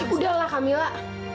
udah lah kamila